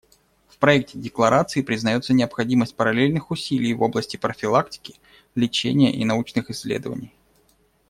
В проекте декларации признается необходимость параллельных усилий в области профилактики, лечения и научных исследований.